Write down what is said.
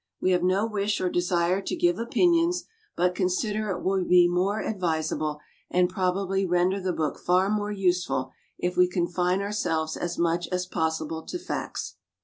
We have no wish or desire to give opinions, but consider it will be more advisable, and probably render the book far more useful, if we confine ourselves as much as possible to facts.